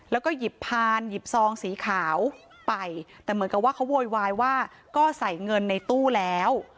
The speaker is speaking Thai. แล้วก็หยิบพานหยิบซองสีขาวไปแต่เหมือนกับว่าเขาโวยวายว่าก็ใส่เงินในตู้แล้ว